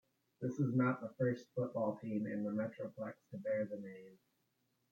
This is not the first football team in the Metroplex to bear the name.